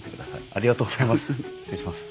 ありがとうございます。